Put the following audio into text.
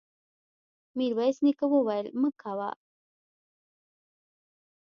ميرويس نيکه وويل: مه کوه!